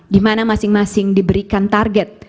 dimana masing masing diberikan target